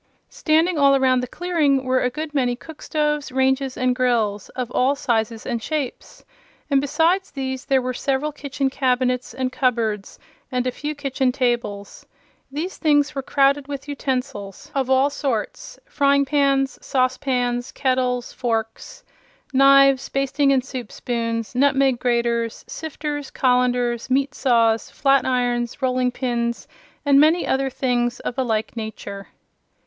Standing all around the clearing were a good many cookstoves, ranges and grills, of all sizes and shapes, and besides these there were several kitchen cabinets and cupboards and a few kitchen tables. These things were crowded with utensils of all sorts: frying pans, sauce pans, kettles, forks, knives, basting and soup spoons, nutmeg graters, sifters, colanders, meat saws, flat irons, rolling pins and many other things of a like nature.